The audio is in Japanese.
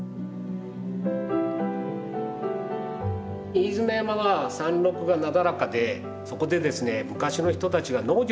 飯縄山は山麓がなだらかでそこでですね昔の人たちは農業をすることができた。